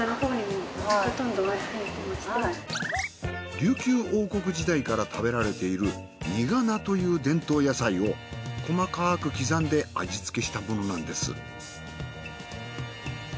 琉球王国時代から食べられているニガナという伝統野菜を細かく刻んで味付けしたものなんです。